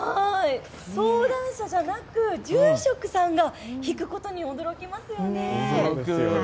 相談者じゃなく住職さんが引くことに驚きますよね。